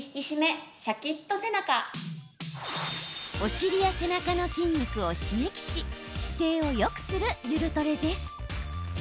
お尻や背中の筋肉を刺激し姿勢をよくする、ゆるトレです。